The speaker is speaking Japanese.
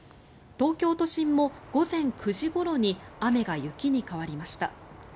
東京都心も午前９時ごろに雨が雪に変わりました。